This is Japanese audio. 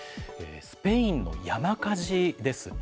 スペインの山火事です。